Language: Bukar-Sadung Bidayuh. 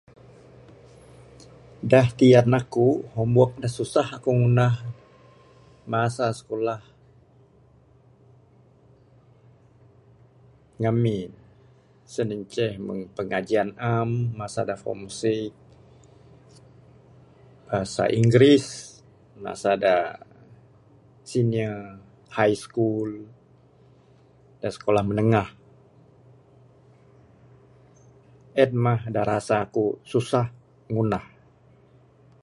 Da tiyan aku, homework da susah ku ngundah masa sikulah ngamin. Sien inceh meng pengajian am masa da form six. Bahasa inggeris masa da senior high school da sekolah menengah. En mah da rasa ku susah ngundah.